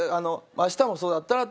「明日もそうだったら」。